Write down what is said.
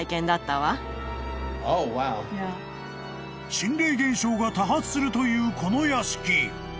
［心霊現象が多発するというこの屋敷］